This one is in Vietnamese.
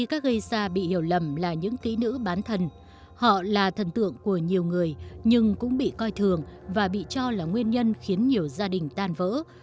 các gây ra bị hiểu lầm là những kỹ nữ bán thần họ là thần tượng của nhiều người nhưng cũng bị coi thường và bị cho là nguyên nhân khiến nhiều gia đình tan vỡ